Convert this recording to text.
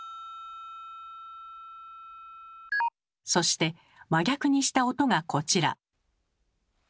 そして真逆にした音がこちら。